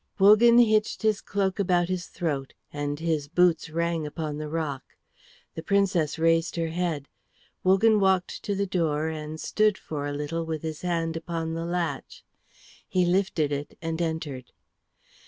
Wogan hitched his cloak about his throat, and his boots rang upon the rock. The Princess raised her head; Wogan walked to the door and stood for a little with his hand upon the latch. He lifted it and entered.